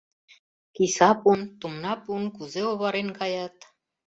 Киса пун, тумна пун кузе оварен каят